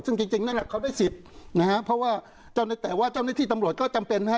ซึ่งจริงนั่นแหละเขาได้สิทธิ์นะฮะเพราะว่าแต่ว่าเจ้าหน้าที่ตำรวจก็จำเป็นนะฮะ